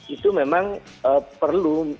itu memang perlu